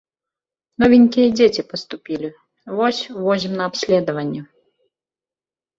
Новенькія дзеці паступілі, вось, возім на абследаванне.